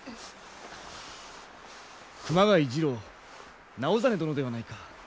熊谷次郎直実殿ではないか。